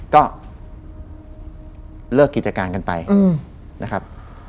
ก็เลิกกิจการกันไปนะครับ